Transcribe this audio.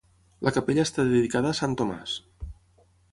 La capella està dedicada a Sant Tomàs.